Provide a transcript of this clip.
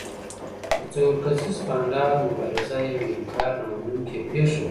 د څلور کسیز بانډ مبارزه یوه انکار نه منونکې پېښه وه.